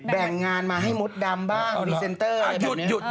แบ่งงานมาให้มดดำบ้างพรีเซนเตอร์หยุด